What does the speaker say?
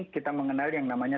kita mengenal yang namanya